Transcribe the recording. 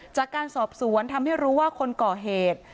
จากการสอบสวนทำให้รู้ว่าคนก่อเหตุ